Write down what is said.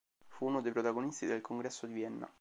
Fu uno dei protagonisti del Congresso di Vienna.